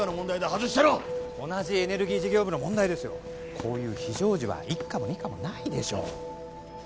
外してろ同じエネルギー事業部の問題ですよこういう非常時は１課も２課もないでしょう